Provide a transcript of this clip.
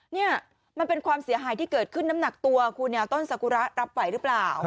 เนี่ยมันเป็นความเสียหายที่เกิดขึ้นน้ำหนักตัวคุณต้นสกุระรับไหวหรือเปล่า